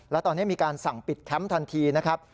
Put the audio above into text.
และตอนนี้มีการสั่งปิดแคมป์ทันทีนะครับ